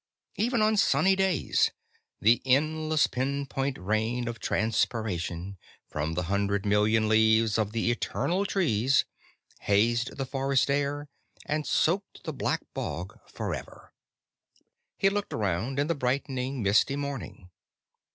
Even on sunny days, the endless pinpoint rain of transpiration, from the hundred million leaves of the eternal trees, hazed the forest air and soaked the black bog forever. He looked around in the brightening, misty morning.